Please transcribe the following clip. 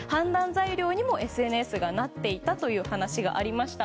材料にもＳＮＳがなっていたという話がありました。